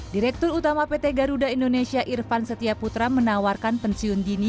direktur utama pt garuda indonesia irvan setiaputra menawarkan pensiun dini